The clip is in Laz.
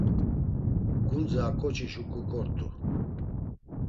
Gundze a ǩoçi şuǩu kort̆u.